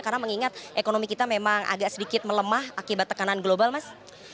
karena mengingat ekonomi kita memang agak sedikit melemah akibat tekanan global mas